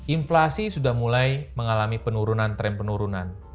inflasi sudah mulai mengalami penurunan tren penurunan